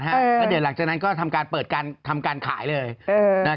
หลังจากนั้นก็ทำการเปิดการทำการขายเลย